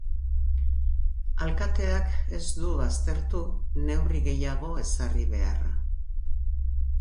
Alkateak ez du baztertu neurri gehiago ezarri beharra.